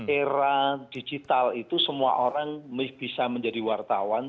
era digital itu semua orang bisa menjadi wartawan